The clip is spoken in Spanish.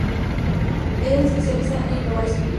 Ella se especializa en invocar espíritus.